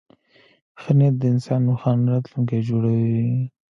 ښه نیت د انسان روښانه راتلونکی جوړوي.